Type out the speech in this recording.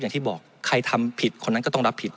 อย่างที่บอกใครทำผิดคนนั้นก็ต้องรับผิด